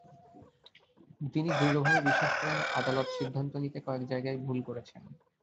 তিনি দৃঢ়ভাবে বিশ্বাস করেন, আদালত সিদ্ধান্ত দিতে কয়েক জায়গায় ভুল করেছেন।